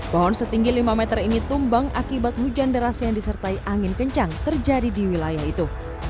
pohon setinggi lima meter ini tumbang akibat hujan deras yang disertai angin kencang terjadi di wilayah itu